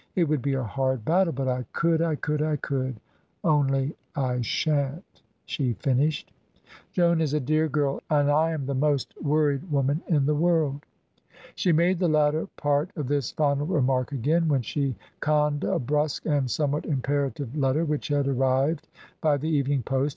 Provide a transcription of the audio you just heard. It would be a hard battle, but I could I could I could, only I shan't," she finished. "Joan is a dear girl, and I am the most worried woman in the world." She made the latter part of this final remark again, when she conned a brusque and somewhat imperative letter which had arrived by the evening post.